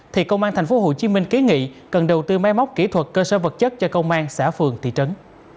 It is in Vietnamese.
thì công an tp hcm ký nghị cần đầu tư máy móc kỹ thuật cơ sở vật chất cho công an xã phường thị trấn